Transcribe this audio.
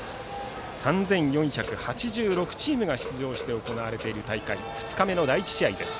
３４８６チームが出場して行われている大会２日目の第１試合です。